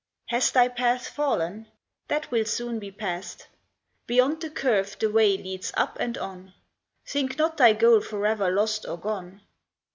Has thy path fallen? That will soon be past. Beyond the curve the way leads up and on. Think not thy goal forever lost or gone.